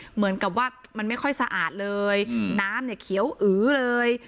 เหมือนกับว่ามันไม่ค่อยสะอาดเลยน้ำเนี่ยเขียวอือเลย